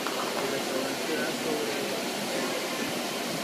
Su restaurante da sobre el Spree.